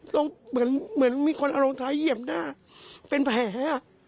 ต้องเหมือนมีคนเอาลงท้ายเหยียบหน้าเป็นแผลอ่ะ